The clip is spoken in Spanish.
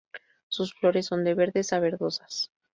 Sus flores son de verdes a verdosas.